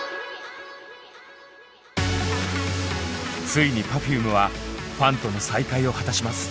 ついにＰｅｒｆｕｍｅはファンとの再会を果たします。